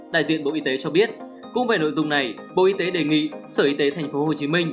đại diện bộ y tế cho biết cũng về nội dung này bộ y tế đề nghị sở y tế tp hcm